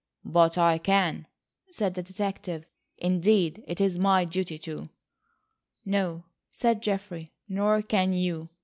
"But I can," said the detective; "indeed it is my duty to." "No," said Geoffrey, "nor can you.